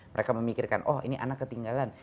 mereka memikirkan oh ini anak ketinggalan